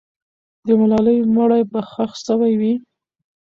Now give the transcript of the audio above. د ملالۍ مړی به ښخ سوی وي.